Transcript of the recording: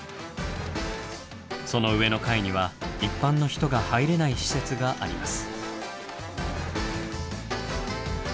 その上の階には一般の人が入れない施設があります。